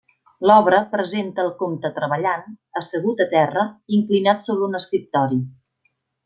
L'obra presenta al comte treballant, assegut a terra, inclinat sobre un escriptori.